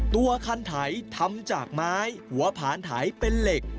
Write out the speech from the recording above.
ตัวคันไถทำจากไม้หัวผานไถเป็นเหล็ก